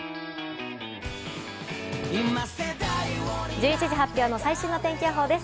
１１時発表の最新の天気予報です。